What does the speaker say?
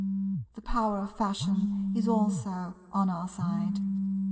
The power of Fashion is also on our side.